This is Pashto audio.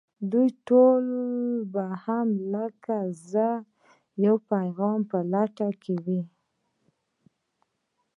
دوی ټول به هم لکه زه د يوه پيغام په لټه کې وي.